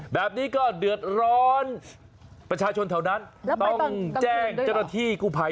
แบบนี้ก็เดือดร้อนประชาชนแถวนั้นต้องแจ้งเจ้าหน้าที่กู้ภัย